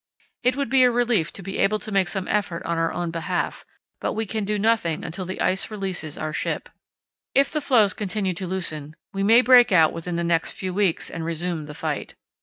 It would be a relief to be able to make some effort on our own behalf; but we can do nothing until the ice releases our ship. If the floes continue to loosen, we may break out within the next few weeks and resume the fight.